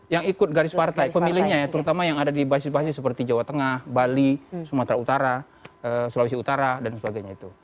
yang ikut garis partai pemilihnya ya terutama yang ada di basis basis seperti jawa tengah bali sumatera utara sulawesi utara dan sebagainya itu